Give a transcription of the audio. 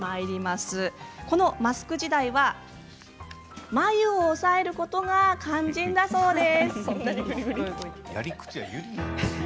このマスク時代は眉を押さえることが肝心だそうです。